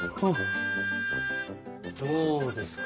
どうですか？